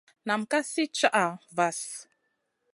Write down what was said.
Nam ka sli caha vahl.